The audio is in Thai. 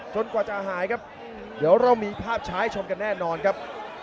กว่าจะหายครับเดี๋ยวเรามีภาพช้าให้ชมกันแน่นอนครับ